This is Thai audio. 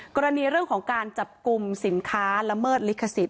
กรณีเรื่องของการจับกลุ่มสินค้าละเมิดลิขสิทธ